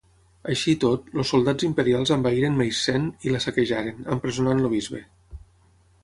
Així i tot, els soldats imperials envaïren Meissen i la saquejaren, empresonant el bisbe.